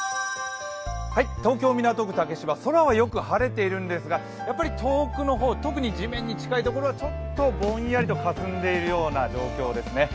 東京港区竹芝、空はよく晴れているんですがやっぱり遠くの方、特に地面に近いところはぼんやりとかすんでいるようですね。